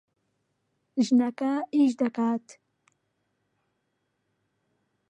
ژنەکە ئیش دەکات.